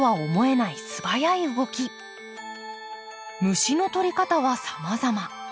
虫の捕り方はさまざま。